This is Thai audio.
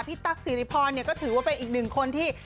พี่ตั๊กสิริพรก็ถือว่าไปอีกหนึ่งคนที่